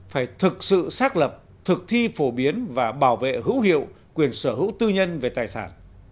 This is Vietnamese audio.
phải thực sự xác lập thực thi phổ biến và bảo vệ hữu hiệu quyền sở hữu tư nhân về tài sản